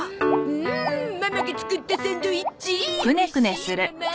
うんママが作ったサンドイッチおいしい！